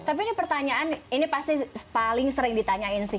tapi ini pertanyaan ini pasti paling sering ditanyain sih